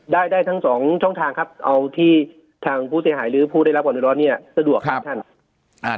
ได้ทั้ง๒ช่องทางครับเอาที่ทางผู้เสียหายหรือผู้ได้รับออนุร้อนเนี่ยสะดวกครับท่าน